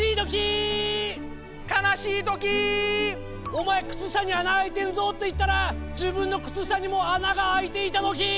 「お前靴下に穴開いてんぞ」って言ったら自分の靴下にも穴が開いていたときー！